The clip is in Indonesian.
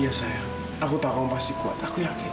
iya saya aku tahu pasti kuat aku yakin